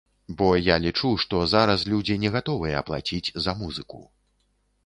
Бо я лічу, што зараз людзі не гатовыя плаціць за музыку.